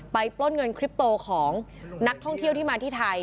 ปล้นเงินคลิปโตของนักท่องเที่ยวที่มาที่ไทย